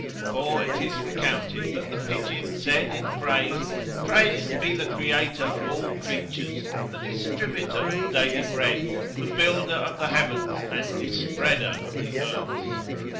for it is recounted that the pigeon[FN#145] in praise, "Praised be the Creator of all Creatures, the Distributor of daily bread, the Builder of the heavens and Dispreader of the earths!"